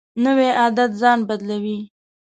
نوی عادت ځان بدلوي